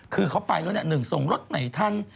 คือเขาไปแล้วเนี่ย๑ส่งรถไหนท่าน